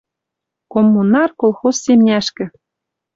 «Коммунар» колхоз семняшкӹ